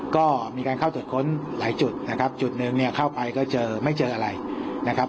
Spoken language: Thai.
ก็มีการเข้าตรวจค้นหลายจุดนะครับจุดหนึ่งเนี่ยเข้าไปก็เจอไม่เจออะไรนะครับ